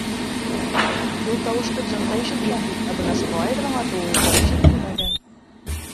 Был тауышты Джим да ишеткән бит, ә бына сквайрҙың атыуы уға ишетелмәгән.